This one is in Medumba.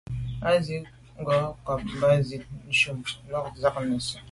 A jíìt ngòó ngò mbā zíìt shùm lo ndzíə́k ncɔ́ɔ̀ʼdə́ a.